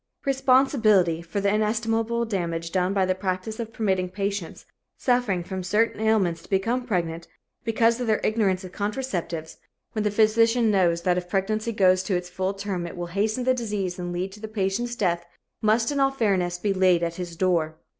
Responsibility for the inestimable damage done by the practice of permitting patients suffering from certain ailments to become pregnant, because of their ignorance of contraceptives, when the physician knows that if pregnancy goes to its full term it will hasten the disease and lead to the patient's death, must in all fairness be laid at his door.